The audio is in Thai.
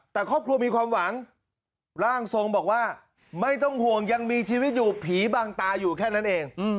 แต่ครอบครัวมีความหวังร่างทรงบอกว่าไม่ต้องห่วงยังมีชีวิตอยู่ผีบางตาอยู่แค่นั้นเอง